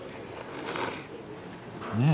うん！